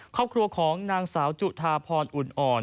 ครอบครัวของนางสาวจุธาพรอุ่นอ่อน